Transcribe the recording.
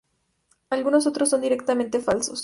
Algunos otros, son directamente falsos.